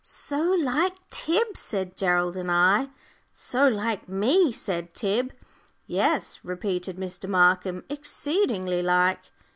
"So like Tib?" said Gerald and I. "So like me?" said Tib. "Yes," repeated Mr. Markham, "exceedingly like."